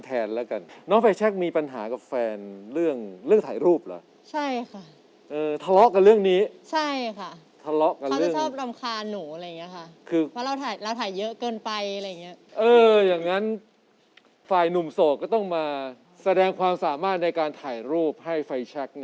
ตอบมาเพื่อแสดงให้เห็นว่าผู้ชายคนนี้ดีจริง